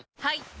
はい！